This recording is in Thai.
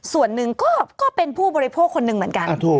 ส่วนหนึ่งก็เป็นผู้บริโภคคนหนึ่งเหมือนกัน